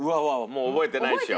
もう覚えてないでしょ。